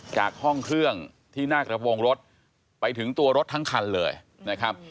จากห้องเครื่องที่หน้ากระโปรงรถไปถึงตัวรถทั้งคันเลยนะครับ